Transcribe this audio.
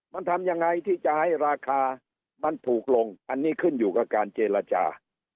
มันทำยังไงที่จะให้ราคามันถูกลงอันนี้ขึ้นอยู่กับการเจรจา